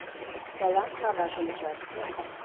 Чылан каваш ончат.